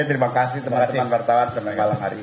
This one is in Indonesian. terima kasih teman teman wartawan semalam hari ini